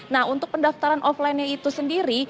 nah untuk pendaftaran offline nya itu sendiri